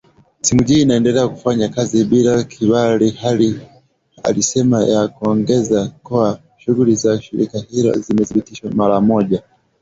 SMUG inaendelea kufanya kazi bila kibali halali alisema na kuongeza kuwa shughuli za shirika hilo zimesitishwa mara moja